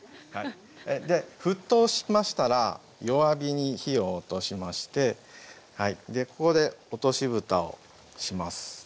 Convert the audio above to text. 沸騰しましたら弱火に火を落としましてここで落としぶたをします。